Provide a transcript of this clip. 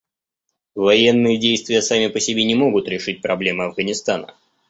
Военные действия сами по себе не могут решить проблемы Афганистана.